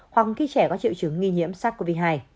hoặc khi trẻ có triệu chứng nghi nhiễm sars cov hai